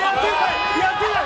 やってない！